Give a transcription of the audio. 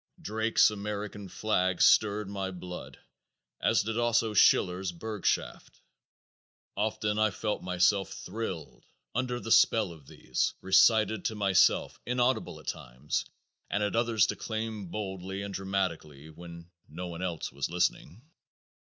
Drake's "American Flag" stirred my blood as did also Schiller's "Burgschaft." Often I felt myself thrilled under the spell of these, recited to myself, inaudibly at times, and at others declaimed boldly and dramatically, when no one else was listening.